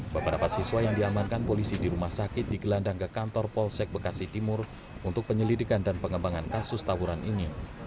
beberapa siswa yang diamankan polisi di rumah sakit digelandang ke kantor polsek bekasi timur untuk penyelidikan dan pengembangan kasus tawuran ini